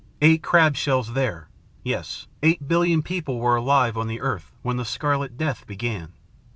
Eight crab shells there, yes, eight billion people were alive on the earth when the Scarlet Death began.